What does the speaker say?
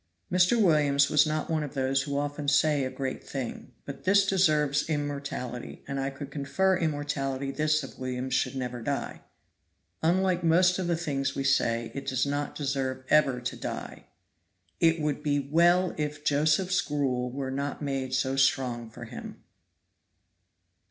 Mr. Williams was not one of those who often say a great thing, but this deserves immortality, and could I confer immortality this of Williams' should never die! Unlike most of the things we say, it does not deserve ever to die "IT WOULD BE WELL IF JOSEPHS' GRUEL WERE NOT MADE SO STRONG FOR HIM!!"